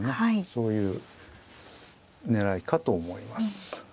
そういう狙いかと思います。